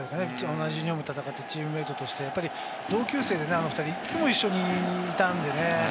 同じユニホームで戦っていたチームメートとして、同級生でね、あの２人、いつも一緒にいたんでね。